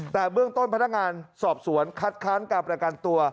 แต่เบื้องต้นพนักงานสอบสวนคัดค้านการประกันตัว